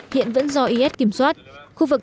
hiện vẫn do is kiểm soát khu vực